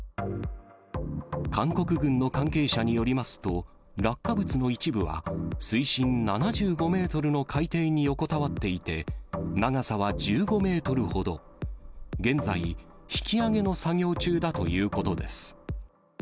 韓国軍の関係者によりますと、落下物の一部は、水深７５メートルの海底に横たわっていて、長さは１５メートルほど、現在、引き揚げの作業中だということです。